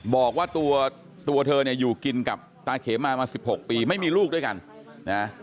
บอกว่าตัวเธอเนี่ยอยู่กินกับตาเขมามา๑๖ปีไม่มีลูกด้วยกันนะ